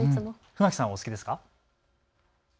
船木さんはお好きですか。